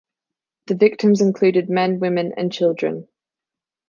The victims included men, women, and children.